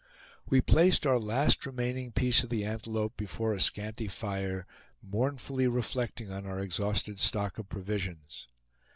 We placed our last remaining piece of the antelope before a scanty fire, mournfully reflecting on our exhausted stock of provisions.